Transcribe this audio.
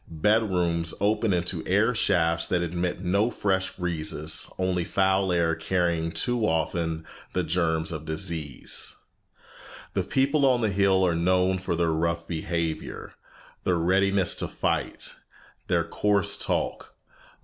Bedrooms open into air shafts that admit no fresh breezes, only foul air carrying too often the germs of disease. The people on the hill are known for their rough behavior, their readiness to fight, their coarse talk.